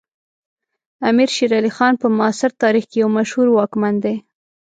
امیر شیر علی خان په معاصر تاریخ کې یو مشهور واکمن دی.